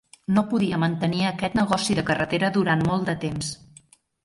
No podia mantenir aquest negoci de carretera durant molt de temps.